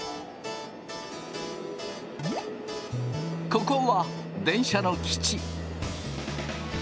ここは電車の基地。